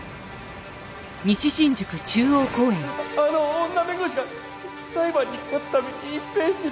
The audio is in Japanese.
あの女弁護士が裁判に勝つために隠蔽しろって。